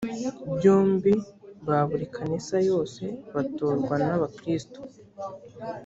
byombi ba buri kanisa yose batorwa n abakristo